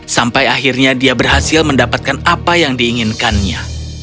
sampai akhirnya dia berhasil mendapatkan apa yang diinginkannya